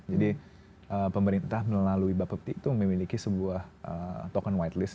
jadi pemerintah melalui bappebti itu memiliki sebuah token white list